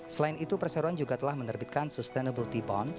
selain itu perseroan juga telah menerbitkan sustainability bonds